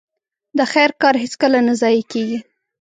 د خير کار هيڅکله نه ضايع کېږي.